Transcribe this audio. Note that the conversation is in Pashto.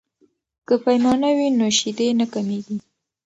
که پیمانه وي نو شیدې نه کمیږي.